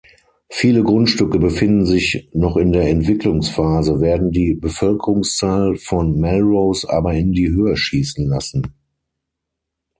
Viele Grundstücke befinden sich noch in der Entwicklungsphase, werden die Bevölkerungszahl von Melrose aber in die Höhe schießen lassen.